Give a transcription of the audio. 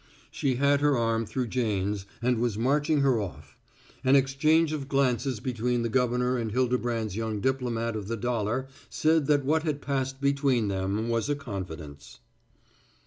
She had her arm through Jane's and was marching her off. An exchange of glances between the governor and Hildebrand's young diplomat of the dollar said that what had passed between them was a confidence.